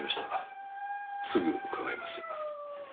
すぐ伺います。